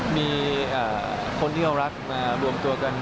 มีคนที่เรารักมารวมตัวกัน